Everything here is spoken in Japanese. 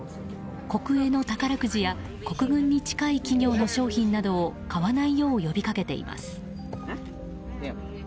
国営の宝くじや国軍に近い企業の商品は買わないよう呼びかけています。